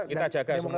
kita jaga semuanya